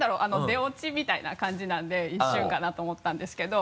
出オチみたいな感じなんで一瞬かな？と思ったんですけど。